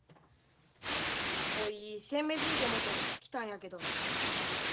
こいせん別にて思て来たんやけど。